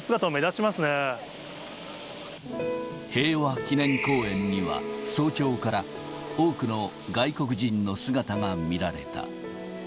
平和記念公園には、早朝から多くの外国人の姿が見られた。